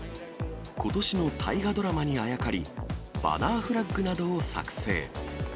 ことしの大河ドラマにあやかり、バナーフラッグなどを作製。